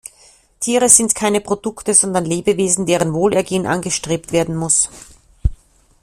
Tiere sind keine Produkte, sondern Lebewesen, deren Wohlergehen angestrebt werden muss.